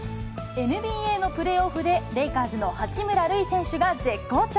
ＮＢＡのプレーオフでレイカーズの八村塁選手が絶好調。